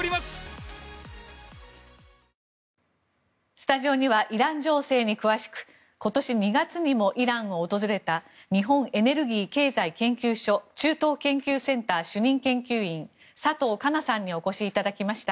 スタジオにはイラン情勢に詳しく今年２月にもイランを訪れた日本エネルギー経済研究所中東研究センター主任研究員の佐藤佳奈さんにお越しいただきました。